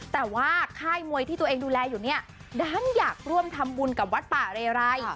แต่ว่าค่ายมวยที่ตัวเองดูแลอยู่เนี่ยดันอยากร่วมทำบุญกับวัดป่าเรไร